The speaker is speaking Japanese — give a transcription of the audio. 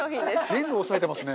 全部押さえてますね。